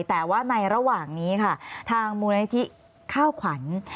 แต่ว่าในระหว่างนี้ค่ะทางมูลนิธิข้าวขวัญ